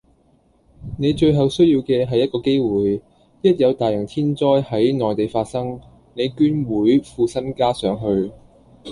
你最後需要既係一個機會，一有大型天災係內地發生，你捐會副身家上去